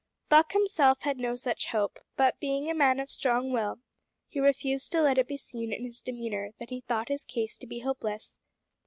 Buck himself had no such hope; but, being a man of strong will, he refused to let it be seen in his demeanour that he thought his case to be hopeless.